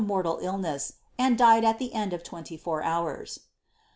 ■ mortal illnHM, and died al ilie end of iweniy four hours.